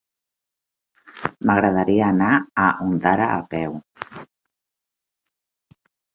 M'agradaria anar a Ondara a peu.